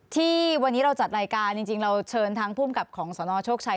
ที่วันนี้เราจัดรายการจริงเราเชิญทั้งภูมิกับของสนโชคชัย